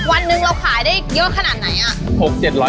วันหนึ่งเราขายได้เยอะขนาดไหนอ่ะ